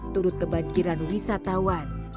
turut kebankiran wisatawan